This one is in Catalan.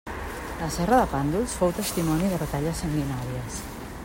La serra de Pàndols fou testimoni de batalles sanguinàries.